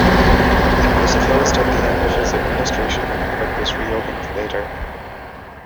It was closed at the end of his administration but was reopened later.